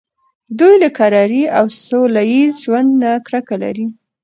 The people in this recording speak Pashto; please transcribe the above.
دوی له کرارۍ او سوله ایز ژوند نه کرکه لري.